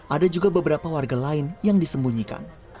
ada juga beberapa warga lain yang disembunyikan